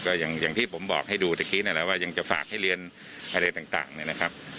ก็อย่างที่ผมบอกให้ดูเมื่อกี้นั่นแหละว่ายังจะฝากให้เรียนอะไรต่างเนี่ยนะครับ